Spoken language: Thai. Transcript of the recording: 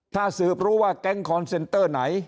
ถ้าสืบรู้ว่าแก๊งคอนเซนเตอร์ไหน